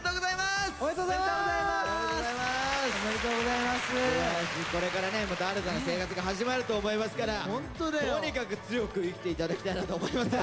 すばらしいこれからねまた新たな生活が始まると思いますからとにかく強く生きて頂きたいなと思います。